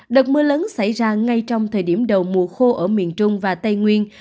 đợt mưa lớn xảy ra ngay trong thời điểm đầu mùa khô ở miền trung và tây nguyên